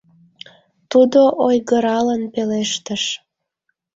Тудо ойгыралын пелештыш: